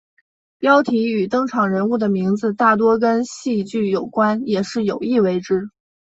标题与登场人物的名字大多跟戏剧有关也是有意为之。